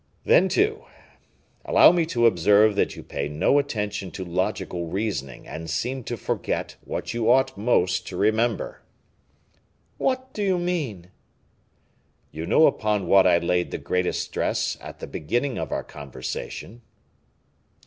Then, too, allow me to observe that you pay no attention to logical reasoning, and seem to forget what you ought most to remember." "What do you mean?" "You know upon what I laid the greatest stress at the beginning of our conversation?"